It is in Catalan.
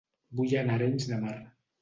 Vull anar a Arenys de Mar